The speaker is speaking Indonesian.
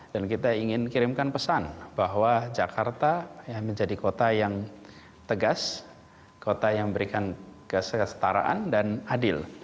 dan kita ingin kirimkan pesan bahwa jakarta menjadi kota yang tegas kota yang memberikan kesetaraan dan adil